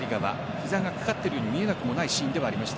膝がかかっているように見えなくもないシーンではありました。